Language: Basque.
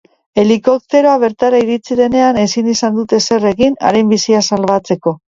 Helikopteroa bertara iritsi denean, ezin izan dute ezer egin haren bizia salbatzeko.